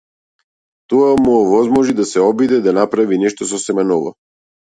Тоа му овозможи да се обиде да направи нешто сосема ново.